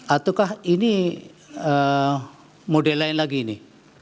ataukah ini model lain lagi ini